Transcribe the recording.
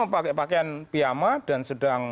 pakai pakaian piyama dan sedang